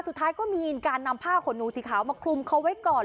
สุดท้ายก็มีการนำผ้าขนหนูสีขาวมาคลุมเขาไว้ก่อน